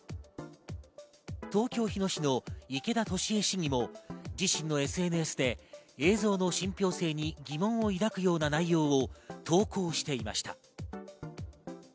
東京・日野市の池田利恵市議も自身のＳＮＳで映像の信ぴょう性に疑問を抱くような内容を投稿していました。